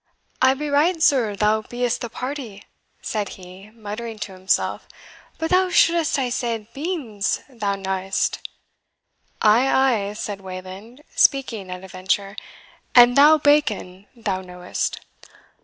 "I be right zure thou be'st the party," said he, muttering to himself, "but thou shouldst ha zaid BEANS, thou knawest." "Ay, ay," said Wayland, speaking at a venture; "and thou BACON, thou knowest."